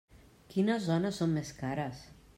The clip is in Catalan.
Quines zones són més cares?